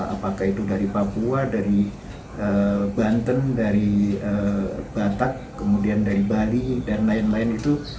apakah itu dari papua dari banten dari batak kemudian dari bali dan lain lain itu